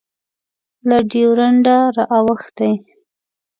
له ډیورنډه رااوښتی